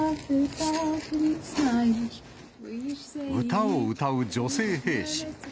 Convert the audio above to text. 歌を歌う女性兵士。